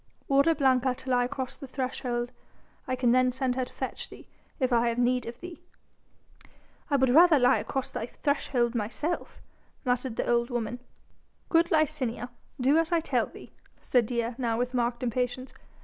"Order Blanca to lie across the threshold. I can then send her to fetch thee, if I have need of thee." "I would rather lie across thy threshold myself," muttered the old woman. "Good Licinia, do as I tell thee," said Dea, now with marked impatience.